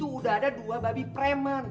ih alasan dua babi preman